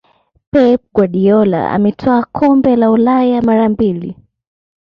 pep guardiola ametwaa kombe la ulaya mara mbili